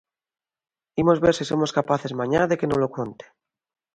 Imos ver se somos capaces mañá de que nolo conte.